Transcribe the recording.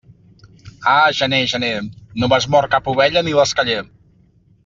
Ah, gener, gener, no m'has mort cap ovella ni l'esqueller.